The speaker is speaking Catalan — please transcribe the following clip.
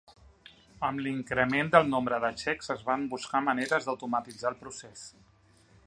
Amb l'increment del nombre de xecs, es van buscar maneres d'automatitzar el procés.